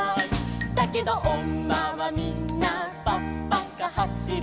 「だけどおんまはみんなぱっぱかはしる」